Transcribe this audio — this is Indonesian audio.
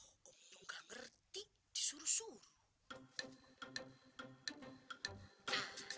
oh omong gak ngerti disuruh suruh